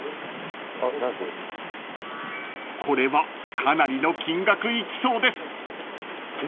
［これはかなりの金額いきそうです］